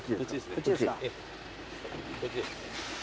こっちですか。